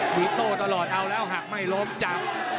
มีโต้ตลอดเอาแล้วหักไม่ล้มจับ